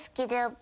僕。